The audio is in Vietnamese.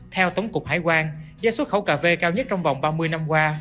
theo tổng cục hải quan giá xuất khẩu cà phê cao nhất trong vòng ba mươi năm qua